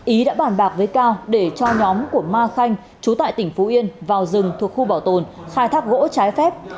ý đã bàn bạc với cao để cho nhóm của ma khanh chú tại tỉnh phú yên vào rừng thuộc khu bảo tồn khai thác gỗ trái phép